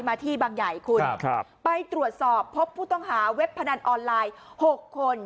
มาที่บางใหญ่คุณครับไปตรวจสอบพบผู้ต้องหาเว็บพนันออนไลน์๖คน